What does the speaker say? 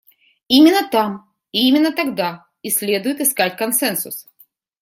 Именно там и именно тогда и следует искать консенсус.